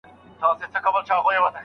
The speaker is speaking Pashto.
لارښود د شاګردانو سره دوستانه چلند کوي.